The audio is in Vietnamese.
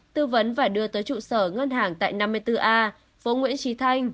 tư vấn và đưa tới trụ sở ngân hàng tại năm mươi bốn a phố nguyễn trí thanh